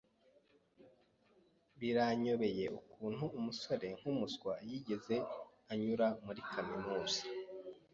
Biranyobeye ukuntu umusore nkumuswa yigeze anyura muri kaminuza.